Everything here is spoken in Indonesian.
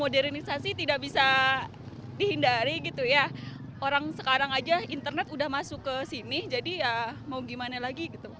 modernisasi tidak bisa dihindari gitu ya orang sekarang aja internet udah masuk ke sini jadi ya mau gimana lagi gitu